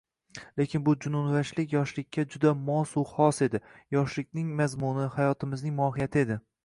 Lekin bu jununvashlik yoshlikka juda mosu xos edi, yoshlikning mazmuni, hayotimizning mohiyati edi